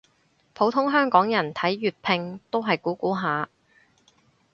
普通香港人睇粵拼都係估估下